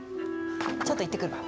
ちょっと行ってくるわ。